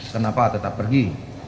kenapa tetap pergi